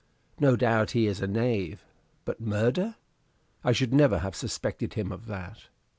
No doubt he is a knave: but murder! I should never have suspected him of that."